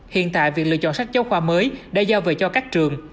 hiện tại việc lựa chọn sách giáo khoa mới đã giao về cho các trường